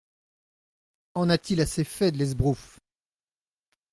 En a-t-il assez fait de l'esbroufe !